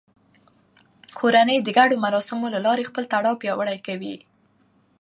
کورنۍ د ګډو مراسمو له لارې خپل تړاو پیاوړی کوي